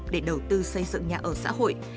để đầu tư xây dựng nhà ở xã hội